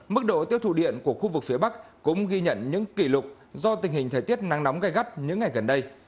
mức độ tiêu thụ điện của khu vực phía bắc cũng ghi nhận những kỷ lục do tình hình thời tiết nắng nóng gai gắt những ngày gần đây